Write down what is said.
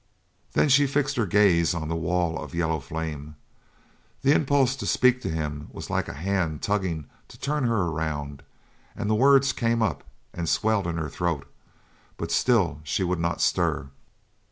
Then she fixed her gaze on the wall of yellow flame. The impulse to speak to him was like a hand tugging to turn her around, and the words came up and swelled in her throat, but still she would not stir.